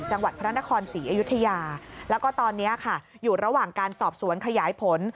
จังหวัดพระนครศรีอยุธยาแล้วก็ตอนนี้ค่ะอยู่ระหว่างการสอบสวนขยายผล